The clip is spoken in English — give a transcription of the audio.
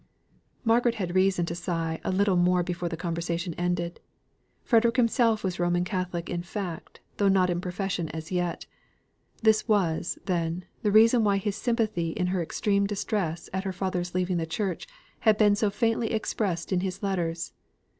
Margaret had reason to sigh a little more before the conversation ended. Frederick himself was Roman Catholic in fact, though not in profession as yet. This was, then, the reason why his sympathy in her extreme distress at her father's leaving the church had been so faintly expressed in his letters.